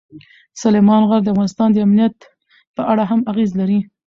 سلیمان غر د افغانستان د امنیت په اړه هم اغېز لري.